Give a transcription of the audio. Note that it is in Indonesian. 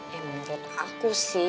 ya menurut aku sih